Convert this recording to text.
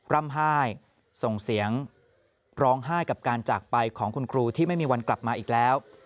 ร่ำไห้ส่งเสียงร้องไห้กับการจากไปของคุณครูที่ไม่มีวันกลับมาอีกแล้ว